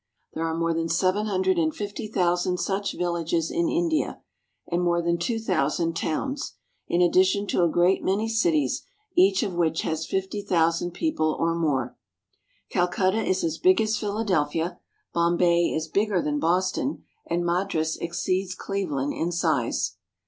There are more than seven hundred and fifty thousand such villages in India; and more than two thousand towns, in addition to a great many cities, each of which has fifty thousand people or more. Calcutta is as big as Philadelphia, Bombay is bigger than Boston, and Madras exceeds Cleveland in size.